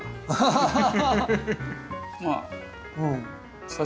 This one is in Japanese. ハハハハッ。